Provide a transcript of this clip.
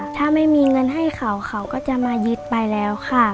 ถ้าไม่มีเงินให้เขาเขาก็จะมายึดไปแล้วค่ะ